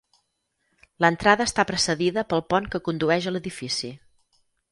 L'entrada està precedida pel pont que condueix a l'edifici.